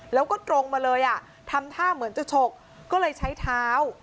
แล้วก็ตรงมาเลยอ่ะทำท่าเหมือนจะฉกก็เลยใช้เท้า